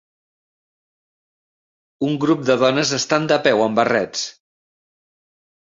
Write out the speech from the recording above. Un grup de dones estan de peu en barrets